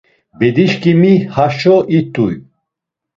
Bedişǩimi haşo it̆uy.